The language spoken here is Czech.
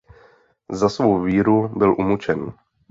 Za svou víru byl umučen.